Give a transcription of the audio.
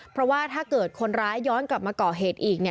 เพราะว่าถ้าเกิดคนร้ายย้อนกลับมาก่อเหตุอีก